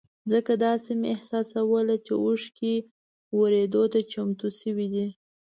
ځکه داسې مې احساسوله چې اوښکې ورېدو ته چمتو شوې دي.